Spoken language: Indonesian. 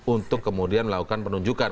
untuk kemudian melakukan penunjukan